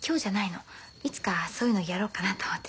いつかそういうのやろっかなと思ってさ。